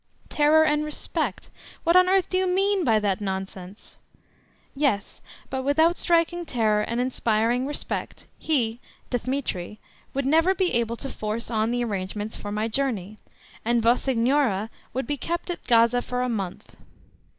"Terror and respect! What on earth do you mean by that nonsense?"—"Yes, but without striking terror and inspiring respect, he (Dthemetri) would never be able to force on the arrangements for my journey, and vossignoria would be kept at Gaza for a month!"